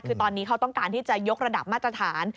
คือตอนนี้เขาต้องการที่จะยกระดับมาตรฐาน